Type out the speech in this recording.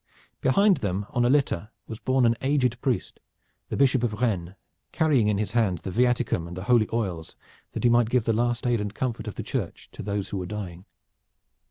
Behind them on a litter was borne an aged priest, the Bishop of Rennes, carrying in his hands the viaticum and the holy oils that he might give the last aid and comfort of the Church to those who were dying.